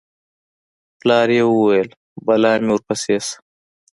پلار یې وویل: بلا مې ورپسې شه